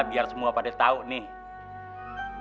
biar semua pada tahu nih